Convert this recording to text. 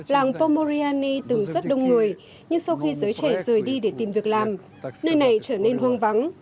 làng pomoriani từng rất đông người nhưng sau khi giới trẻ rời đi để tìm việc làm nơi này trở nên hoang vắng